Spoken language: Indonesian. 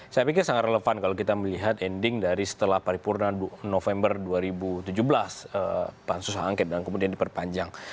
saya pikir sangat relevan kalau kita melihat ending dari setelah paripurna november dua ribu tujuh belas pansus angket dan kemudian diperpanjang